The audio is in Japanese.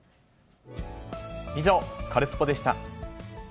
以上、カルスポっ！でした。